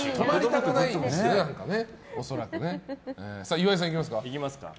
岩井さん、いきますか。